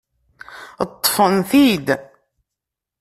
Ṭṭfen-t-id.